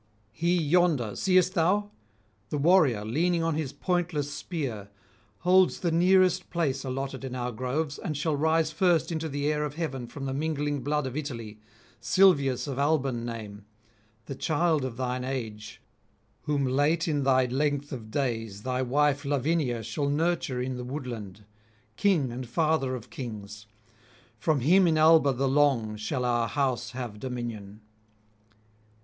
He yonder, seest thou? the warrior leaning on his pointless spear, holds the nearest place allotted in our groves, and shall rise first into the air of heaven from the mingling blood of Italy, Silvius of Alban name, the child of thine age, whom late in thy length of days thy wife Lavinia shall nurture in the woodland, king and father of kings; from him in Alba the Long shall our house have dominion.